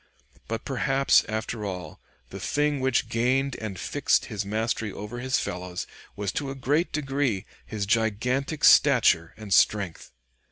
But perhaps, after all, the thing which gained and fixed his mastery over his fellows was to a great degree his gigantic stature and strength.